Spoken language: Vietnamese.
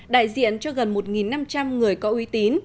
đại diện cho gần một năm trăm linh người có uy tín